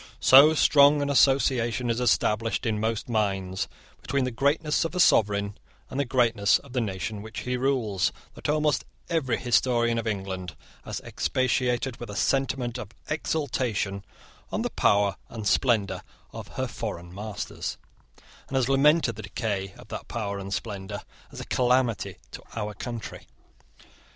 So strong an association is established in most minds between the greatness of a sovereign and the greatness of the nation which he rules, that almost every historian of England has expatiated with a sentiment of exultation on the power and splendour of her foreign masters, and has lamented the decay of that power and splendour as a calamity to our country.